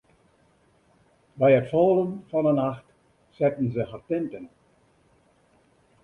By it fallen fan 'e nacht setten se har tinten op.